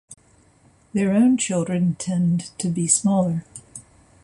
Their own children tend to be smaller.